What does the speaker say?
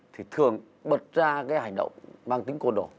thì thường bật ra cái hành động mang tính côn đồ